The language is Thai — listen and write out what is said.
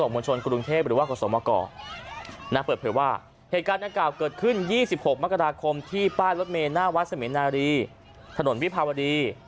มากราคมที่ป้านรถเมล์หน้าวัดเสมอินารีถนนวิภาวรี